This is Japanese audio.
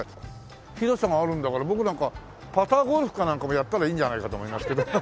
広さがあるんだから僕なんかパターゴルフかなんかもやったらいいんじゃないかと思いますけど。